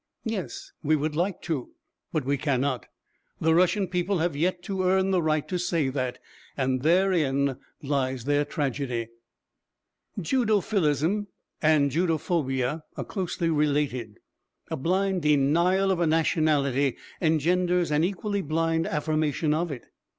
Yes, we would like to, but we cannot; the Russian people have yet to earn the right to say that, and therein lies their tragedy...." "'Judophilism' and 'Judophobia' are closely related. A blind denial of a nationality engenders an equally blind affirmation of it.